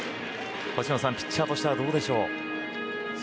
星野さんピッチャーとしてはどうでしょう。